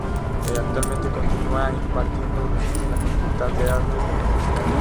Actualmente continúa impartiendo docencia en la Facultad de Artes de la Universidad de Chile.